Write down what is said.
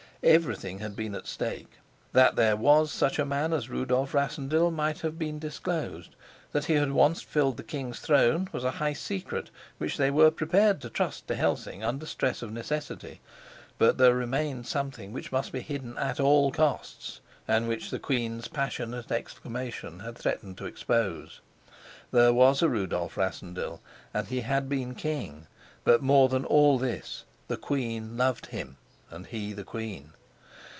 Everything had been at stake; that there was such a man as Rudolf Rassendyll might have been disclosed; that he had once filled the king's throne was a high secret which they were prepared to trust to Helsing under stress of necessity; but there remained something which must be hidden at all costs, and which the queen's passionate exclamation had threatened to expose. There was a Rudolf Rassendyll, and he had been king; but, more than all this, the queen loved him and he the queen.